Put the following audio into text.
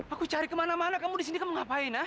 aku cari kemana mana kamu di sini kamu ngapain ya